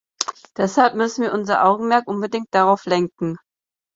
Deshalb müssen wir unser Augenmerk unbedingt darauf lenken.